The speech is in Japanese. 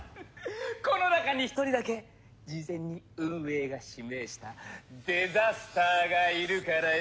この中に１人だけ事前に運営が指名したデザスターがいるからよ。